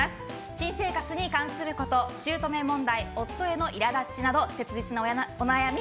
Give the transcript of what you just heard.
新生活に関すること姑問題、夫へのいら立ちなど切実なお悩み